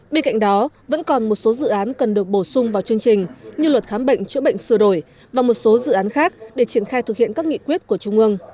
bên cạnh đó vẫn còn một số dự án cần được bổ sung vào chương trình như luật khám bệnh chữa bệnh sửa đổi và một số dự án khác để triển khai thực hiện các nghị quyết của trung ương